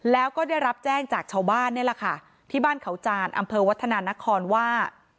แล้วก็ได้รับแจ้งจากชาวบ้านนี่แหละค่ะที่บ้านเขาจานอำเภอวัฒนานครว่า